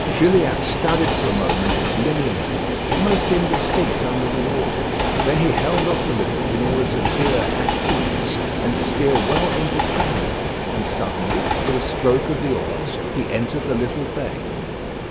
Gilliatt studied for a moment its lineament, almost indistinct under the water; then he held off a little in order to veer at ease, and steer well into channel; and suddenly with a stroke of the oars he entered the little bay.